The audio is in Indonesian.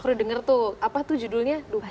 aku udah denger tuh apa tuh judulnya lupa deh